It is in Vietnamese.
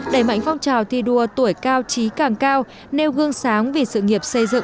đẩy mạnh phong trào thi đua tuổi cao trí càng cao nêu gương sáng vì sự nghiệp xây dựng và bảo vệ tổ quốc